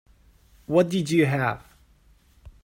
What did you have?